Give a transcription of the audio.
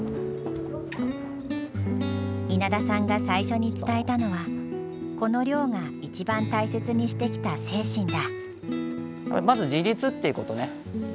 稲田さんが最初に伝えたのはこの寮が一番大切にしてきた精神だ。